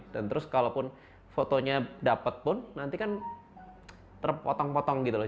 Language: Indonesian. dan terus kalau fotonya dapet pun nanti kan terpotong potong gitu loh